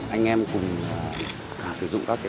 anh em cùng sử dụng các cái